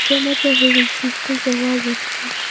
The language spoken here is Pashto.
زه نه پوهېږم چې څه جواب ورکړم